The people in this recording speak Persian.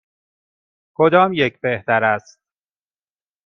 کدام یک بهتر است؟